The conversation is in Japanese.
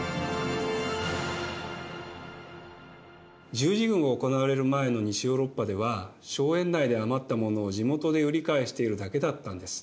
十字軍が行われる前の西ヨーロッパでは荘園内で余った物を地元で売り買いしているだけだったんです。